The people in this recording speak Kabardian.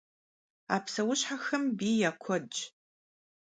А псэущхьэхэм бий я куэдщ.